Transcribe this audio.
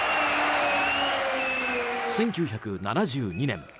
１９７２年